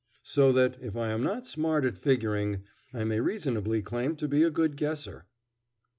So that, if I am not smart at figuring, I may reasonably claim to be a good guesser.